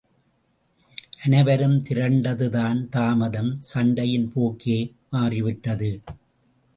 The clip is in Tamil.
அனைவரும் திரண்டதுதான் தாமதம், சண்டையின் போக்கே மாறிவிட்டது.